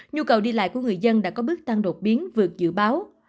nhu cầu đi lại của người dân đã có bước tăng đột biến vượt dự báo